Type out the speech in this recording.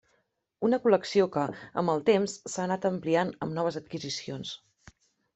Una col·lecció que, amb el temps, s'ha anat ampliant amb noves adquisicions.